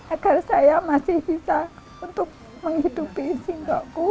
agar saya masih bisa untuk menghidupi singkokku